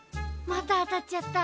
またあたっちゃった。